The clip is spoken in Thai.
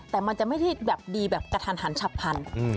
แต่มันจะไม่ได้แบบดีแบบกระทันหันฉับพันธุ์